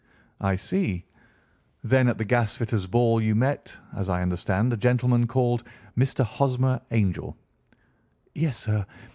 "I see. Then at the gasfitters' ball you met, as I understand, a gentleman called Mr. Hosmer Angel." "Yes, sir.